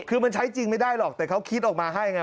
คือมันใช้จริงไม่ได้หรอกแต่เขาคิดออกมาให้ไง